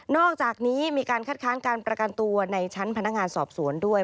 อกจากนี้มีการคัดค้านการประกันตัวในชั้นพนักงานสอบสวนด้วย